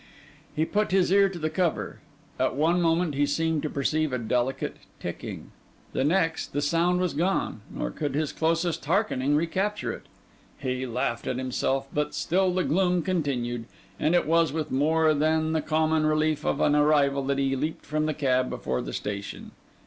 He put his ear to the cover; at one moment, he seemed to perceive a delicate ticking: the next, the sound was gone, nor could his closest hearkening recapture it. He laughed at himself; but still the gloom continued; and it was with more than the common relief of an arrival, that he leaped from the cab before the station.